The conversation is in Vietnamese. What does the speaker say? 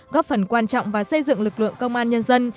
góp phần quan trọng vào xây dựng lực lượng công an nhân dân